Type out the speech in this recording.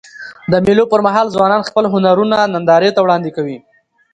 د مېلو پر مهال ځوانان خپل هنرونه نندارې ته وړاندي کوي.